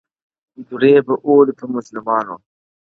دُرې به اوري پر مظلومانو -